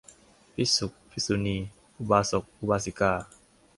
ภิกษุ ภิกษุณี อุบาสก อุบาสิกา